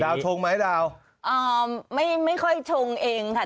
ชงไหมดาวอ่าไม่ไม่ค่อยชงเองค่ะ